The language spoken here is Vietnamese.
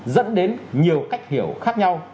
dẫn đến nhiều cách hiểu khác nhau